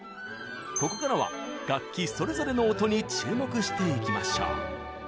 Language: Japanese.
ここからは楽器それぞれの音に注目していきましょう。